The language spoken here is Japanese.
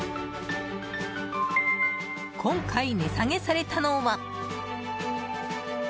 今回値下げされたのは。